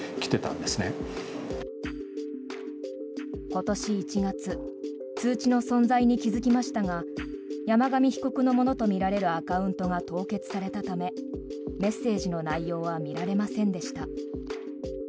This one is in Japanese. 今年１月通知の存在に気付きましたが山上被告のものとみられるアカウントが凍結されたためメッセージの内容は見られませんでした。